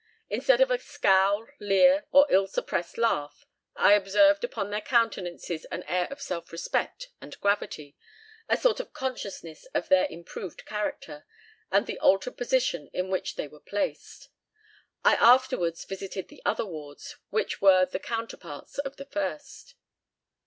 Instead of a scowl, leer, or ill suppressed laugh, I observed upon their countenances an air of self respect and gravity, a sort of consciousness of their improved character, and the altered position in which they were placed. I afterwards visited the other wards, which were the counterparts of the first."